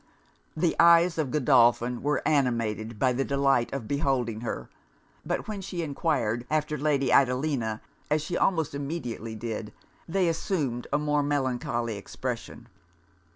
The eyes of Godolphin were animated by the delight of beholding her. But when she enquired after Lady Adelina, as she almost immediately did, they assumed a more melancholy expression.